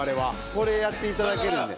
これやって頂けるんで。